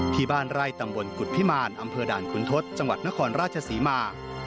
ที่บ้านไร่ตำบลกุฎพิมารอำเภอด่านขุนทศจังหวัดนครราชศรีมา